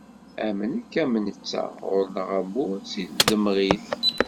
Am nekk am netta ɣur-nneɣ ammur seg tdemɣit.